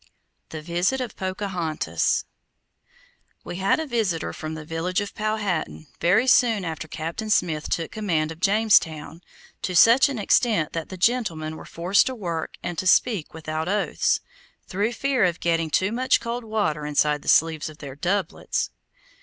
THE VISIT OF POCAHONTAS We had a visitor from the village of Powhatan very soon after Captain Smith took command of Jamestown to such an extent that the gentlemen were forced to work and to speak without oaths, through fear of getting too much cold water inside the sleeves of their doublets.